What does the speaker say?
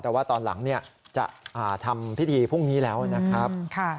แต่ว่าตอนหลังจะทำพิธีพรุ่งนี้แล้วนะครับ